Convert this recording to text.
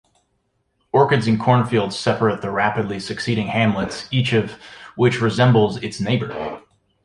Orchards and cornfields separate the rapidly succeeding hamlets, each of which resmbles its neighbour.